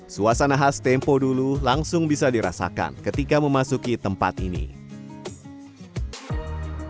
suasana khas tempo dulu langsung bisa dirasakan ketika memasuki tempat ini